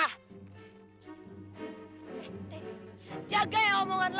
eh ter jaga ya omongan lo